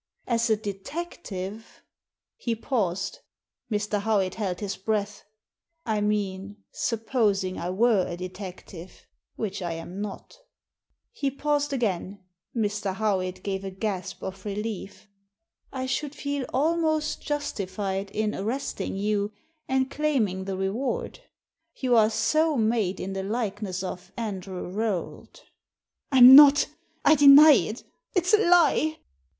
As a detective" — ^he paused, Mr. Howitt held his breath — ^I mean supposing I were a detective, which I am not "— he paused again, Mr. Howitt gave a gasp of relief —" I should feel almost justified in arresting you and claiming the reward. You are so made in tihe likeness of Andrew Rolt" I'm not I deny it ! It's a lie